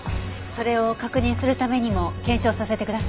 それを確認するためにも検証させてください。